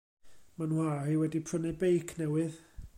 Ma'n wha'r i wedi prynu beic newydd.